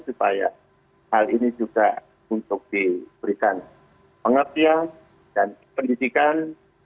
supaya hal ini juga untuk diberikan pengertian dan pendidikan